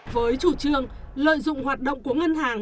với chủ trương lợi dụng hoạt động của ngân hàng